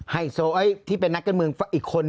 ไฮโซอ้อยที่เป็นนักการเมืองอีกคน